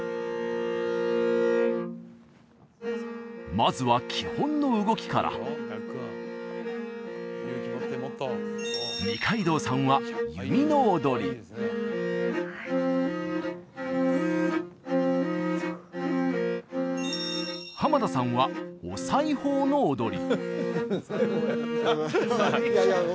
まずは基本の動きから二階堂さんは弓の踊り濱田さんはお裁縫の踊り